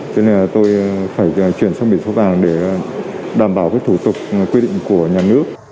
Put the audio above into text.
cho nên là tôi phải chuyển sang biển số vàng để đảm bảo thủ tục quy định của nhà nước